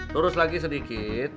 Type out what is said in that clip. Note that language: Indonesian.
lurus lagi sedikit